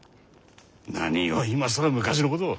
何を今更昔のことを。